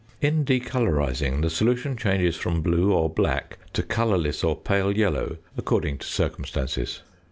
In decolorising, the solution changes from blue or black to colourless or pale yellow according to circumstances.